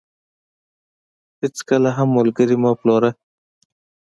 هيچ کله هم ملګري مه پلوره .